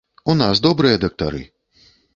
У нас добрыя дактары.